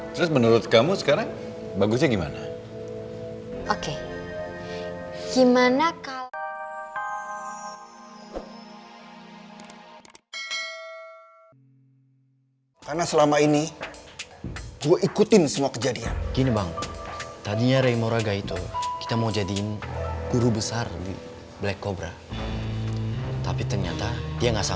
terus menurut kamu sekarang bagusnya gimana